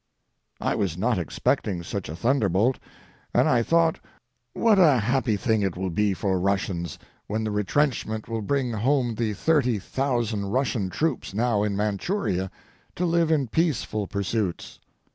I was not expecting such a thunderbolt, and I thought what a happy thing it will be for Russians when the retrenchment will bring home the thirty thousand Russian troops now in Manchuria, to live in peaceful pursuits.